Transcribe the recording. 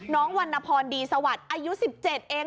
วันนพรดีสวัสดิ์อายุ๑๗เอง